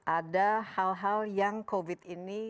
ada hal hal yang covid ini